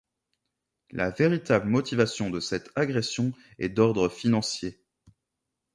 La véritable motivation de cette agression est d'ordre financier.